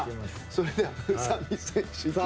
それでは宇佐美選手。